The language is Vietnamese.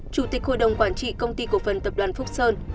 chủ tịch hội đồng quản trị công ty cộng phân tập đoàn phúc sơn